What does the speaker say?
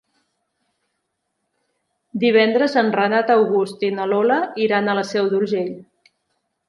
Divendres en Renat August i na Lola iran a la Seu d'Urgell.